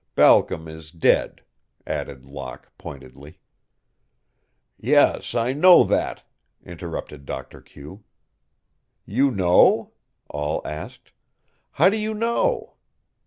Balcom is dead," added Locke, pointedly. "Yes, I know that," interrupted Doctor Q. "You know?" all asked. "How do you know?"